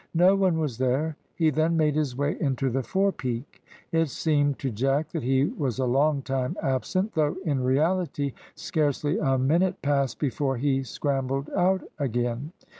No one was there. He then made his way into the fore peak. It seemed to Jack that he was a long time absent, though in reality scarcely a minute passed before he scrambled out again.